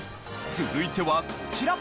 続いてはこちら。